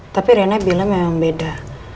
tapi riana bilang memang beda